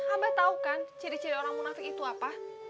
abah tahu kan ciri ciri orang munafik itu apa